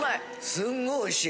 すんごいおいしい。